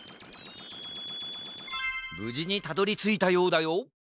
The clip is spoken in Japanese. ぶじにたどりついたようだよ